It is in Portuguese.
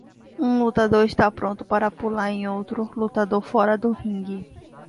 Um lutador está pronto para pular em outro lutador fora do ringue.